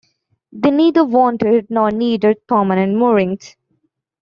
They neither wanted nor needed permanent moorings.